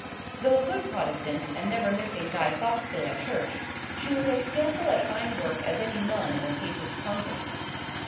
Though a good Protestant, and never missing Guy Faux day at church, she was as skilful at fine work as any nun in a Papist convent.